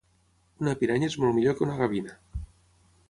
Una piranya és molt millor que una gavina